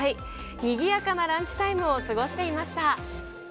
にぎやかなランチタイムを過ごしていました。